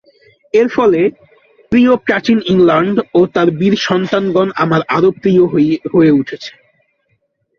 এর ফলে প্রিয় প্রাচীন ইংলণ্ড ও তার বীর সন্তানগণ আমার আরও প্রিয় হয়ে উঠেছে।